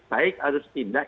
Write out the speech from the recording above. baik harus indah